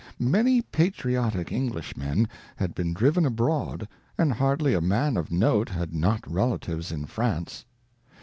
Many patriotic Englishmen had been driven abroad, and hardly a man of note had not relatives in France.